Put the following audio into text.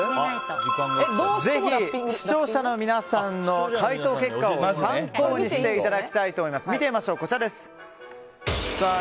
視聴者の皆さんの回答結果を参考にしていただきたいと思います。